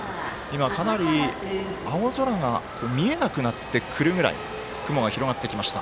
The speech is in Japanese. かなり、青空が見えなくなってくるぐらい雲が広がってきました。